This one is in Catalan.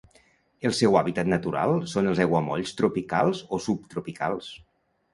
El seu hàbitat natural són els aiguamolls tropicals o subtropicals.